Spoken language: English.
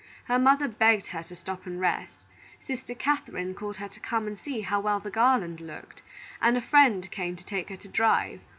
Her mother begged her to stop and rest, sister Catharine called her to come and see how well the garland looked, and a friend came to take her to drive.